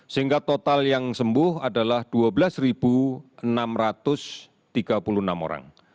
sehingga total yang sembuh adalah dua belas enam ratus tiga puluh enam orang